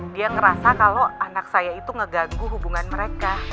dia ngerasa kalau anak saya itu ngeganggu hubungan mereka